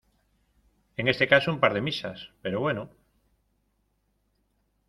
en este caso un par de misas, pero bueno...